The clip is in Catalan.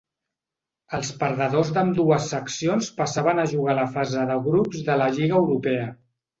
Els perdedors d'ambdues seccions passaven a jugar la fase de grups de la Lliga Europa.